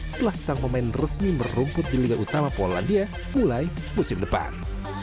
setelah sang pemain resmi merumput di liga utama polandia mulai musim depan